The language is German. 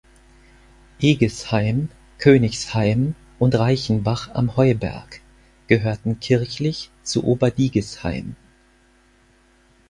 Egesheim, Königsheim und Reichenbach am Heuberg gehörten kirchlich zu Oberdigisheim.